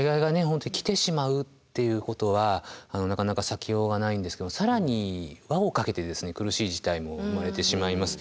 本当に来てしまうっていうことはなかなか避けようがないんですけど更に輪をかけて苦しい事態も生まれてしまいます。